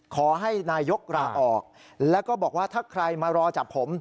ขอให้นายกลาออกแล้วก็บอกว่าถ้าใครมารอจับผม